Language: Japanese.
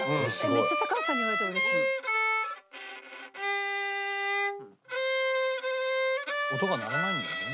「めっちゃ高橋さんに言われたら嬉しい」「音が鳴らないんだよね」